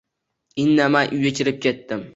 Indamay uyga kirib ketdim.